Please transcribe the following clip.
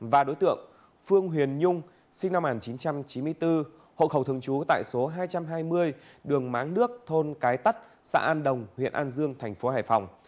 và đối tượng phương huyền nhung sinh năm một nghìn chín trăm chín mươi bốn hộ khẩu thường trú tại số hai trăm hai mươi đường máng nước thôn cái tắt xã an đồng huyện an dương thành phố hải phòng